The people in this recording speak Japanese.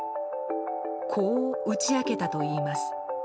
こう打ち明けたといいます。